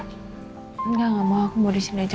enggak gak mau aku mau disini aja